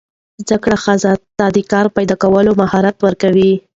زده کړه ښځو ته د کار پیدا کولو مهارت ورکوي.